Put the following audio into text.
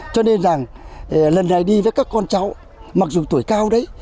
cho nên rằng lần này đi với các con cháu mặc dù tuổi cao đấy